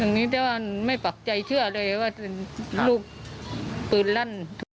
อย่างนี้แต่ว่าไม่ปักใจเชื่อเลยว่าลูกปืนลั่น